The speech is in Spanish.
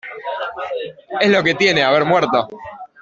es lo que tiene haber muerto.